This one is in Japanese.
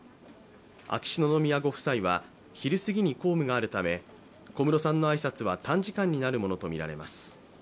秋篠宮ご夫妻は昼すぎに公務があるため小室さんの挨拶は短時間になるものとみられます。